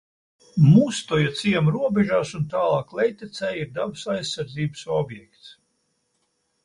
Mustoja ciema robežās un tālāk lejtecē ir dabas aizsardzības objekts.